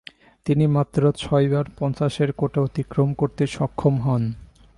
তিনি মাত্র ছয়বার পঞ্চাশের কোটা অতিক্রম করতে সক্ষম হন।